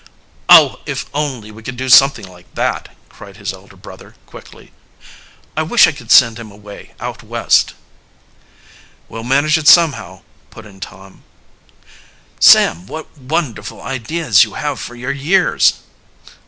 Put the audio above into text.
"Oh, if only we could do something like that!" cried his elder brother quickly. "I wish I could send him away out West." "We'll manage it somehow " put in Tom. "Sam, what wonderful ideas you have for your years!"